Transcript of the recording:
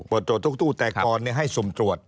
เปิดตรวจทุกตู้แต่ก่อนให้สุ่มตรวจ